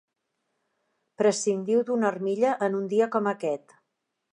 Prescindiu d'una armilla en un dia com aquest.